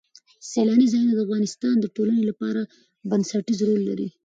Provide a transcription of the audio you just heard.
سیلانی ځایونه د افغانستان د ټولنې لپاره بنسټيز رول لري.